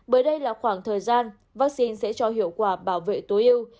bởi đây là khoảng thời gian vaccine sẽ cho hiệu quả bảo vệ tối ưu